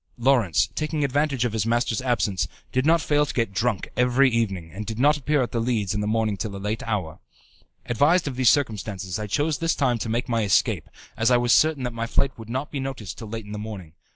Lawrence, taking advantage of his masters' absence, did not fail to get drunk every evening, and did not appear at The Leads in the morning till a late hour. Advised of these circumstances, I chose this time to make my escape, as I was certain that my flight would not be noticed till late in the morning.